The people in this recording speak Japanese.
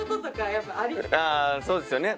そうですよね。